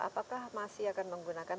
apakah masih akan menggunakan